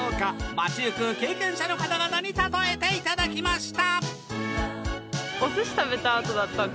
街行く経験者の方々にたとえていただきました！